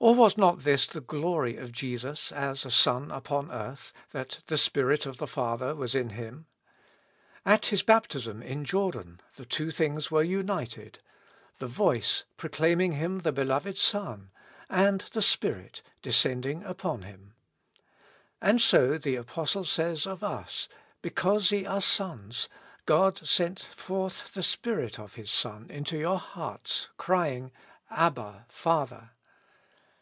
Or was not this the glory of Jesus as a Son upon earth, that the Spirit of the Father was in Him ? At His baptism in Jordan the two things were united, — the voice, proclaiming Him the Beloved Son, and the Spirit, descending upon Him. And so the Apostle says of us, " Because ye are sons, God sent forth the Spirit of His Son into your hearts, crying, Abba, Father."